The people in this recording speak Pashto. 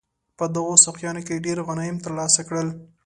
په دغو سوقیانو کې ډېر غنایم ترلاسه کړل.